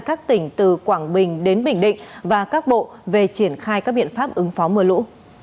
các tỉnh từ quảng bình đến bình định và các bộ về triển khai các biện pháp ứng phó mưa lũ